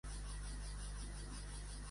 Quan és anyada, les branques en peten.